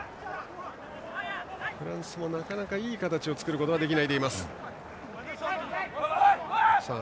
フランスもなかなか、いい形を作ることはできないでいます。